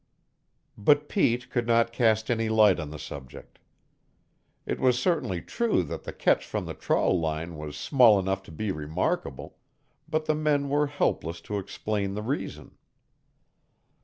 But Pete could not cast any light on the subject. It was certainly true that the catch from the trawl line was small enough to be remarkable, but the men were helpless to explain the reason.